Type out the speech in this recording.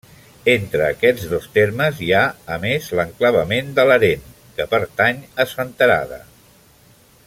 Entre aquests dos termes hi ha, a més, l'enclavament de Larén, que pertany a Senterada.